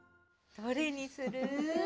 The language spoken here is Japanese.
どれにする？